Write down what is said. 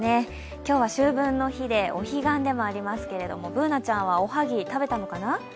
今日は秋分の日でお彼岸でもありますけれどもＢｏｏｎａちゃんは、おはぎ食べたのかな？